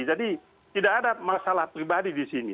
jadi tidak ada masalah pribadi di sini